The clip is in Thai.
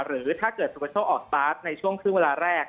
หรือถ้าเกิดสุประโชคออกสตาร์ทในช่วงครึ่งเวลาแรก